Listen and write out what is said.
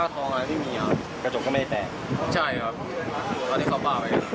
ก็คิดว่ามันไม่สนใจอยู่แล้วครับ